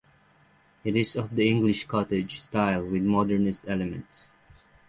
It is of the English cottage style with Modernist elements.